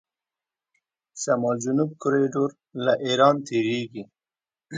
شمال جنوب کوریډور له ایران تیریږي.